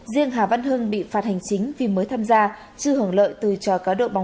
riêng hà văn hưng bị phạt hành chính vì mới tham gia chứ hưởng lợi từ trò cá đậu bóng đá trên mạng